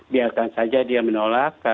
biarkan saja dia menolak